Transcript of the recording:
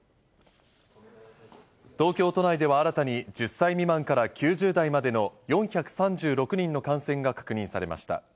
東京都内では新たに、１０歳未満から９０代までの４３６人の感染が確認されました。